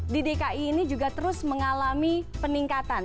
di dki ini juga terus mengalami peningkatan